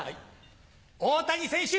大谷選手